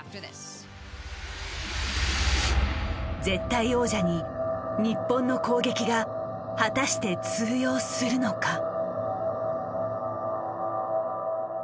絶対王者に日本の攻撃が果たして通用するのか。